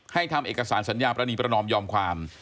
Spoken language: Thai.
ทำเอกสารสัญญาปรณีประนอมยอมความ